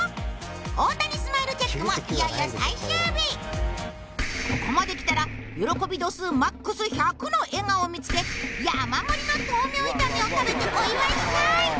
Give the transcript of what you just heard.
大谷スマイルチェックもいよいよ最終日ここまで来たら喜び度数ＭＡＸ１００の笑顔を見つけ山盛りの豆苗炒めを食べてお祝いしたい！